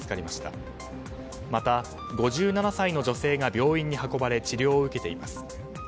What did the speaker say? また、５７歳の女性が病院に運ばれ治療を受けています。